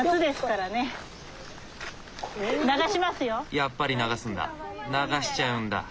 やっぱり流すんだ流しちゃうんだ。